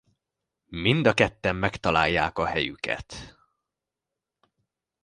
Mind a ketten megtalálják a helyüket.